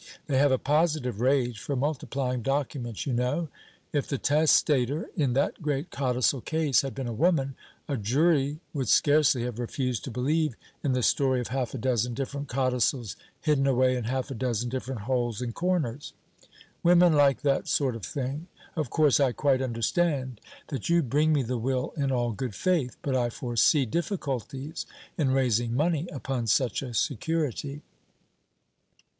They have a positive rage for multiplying documents, you know. If the testator in that great codicil case had been a woman, a jury would scarcely have refused to believe in the story of half a dozen different codicils hidden away in half a dozen different holes and corners. Women like that sort of thing. Of course, I quite understand that you bring me the will in all good faith; but I foresee difficulties in raising money upon such a security."